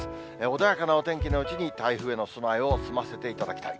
穏やかなお天気のうちに、台風への備えを済ませていただきたい。